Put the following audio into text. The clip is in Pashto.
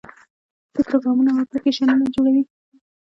دوی پروګرامونه او اپلیکیشنونه جوړوي.